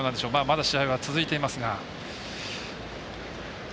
まだ試合は続いていますが。